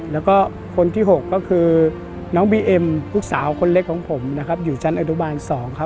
แล้วก็คนที่๖ก็คือน้องบีเอ็มลูกสาวคนเล็กของผมนะครับอยู่ชั้นอนุบาล๒ครับ